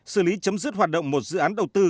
xử lý chấm dứt hoạt động một dự án đầu tư